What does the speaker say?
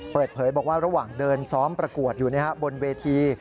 เปิดเผยบอกว่าระหว่างเดินซ้อมประกวดอยู่บนเวที